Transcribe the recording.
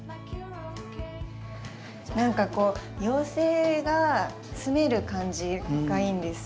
何かこう妖精がすめる感じがいいんです。